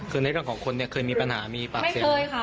คือในเรื่องของคนเนี้ยเคยมีปัญหามีปากเซ็นไม่เคยค่ะ